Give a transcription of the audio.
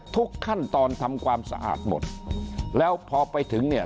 ทุกขั้นตอนทำความสะอาดหมดแล้วพอไปถึงเนี่ย